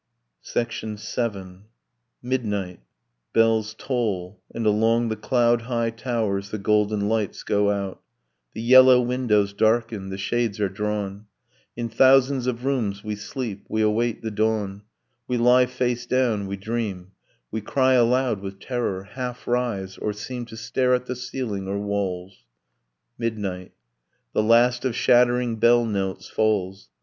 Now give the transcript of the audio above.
VII. Midnight; bells toll, and along the cloud high towers The golden lights go out ... The yellow windows darken, the shades are drawn, In thousands of rooms we sleep, we await the dawn, We lie face down, we dream, We cry aloud with terror, half rise, or seem To stare at the ceiling or walls ... Midnight ... the last of shattering bell notes falls.